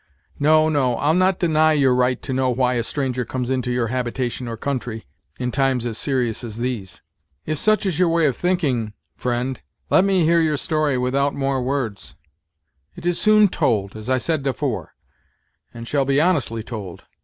No, no, I'll not deny your right to know why a stranger comes into your habitation or country, in times as serious as these." "If such is your way of thinking, friend, let me hear your story without more words." "'T is soon told, as I said afore; and shall be honestly told.